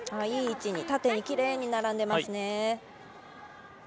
いい位置に縦にきれいに並んでいますね。